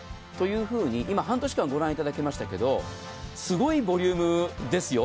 今、半年間ご覧いただきましたけど、すごいボリュームですよ。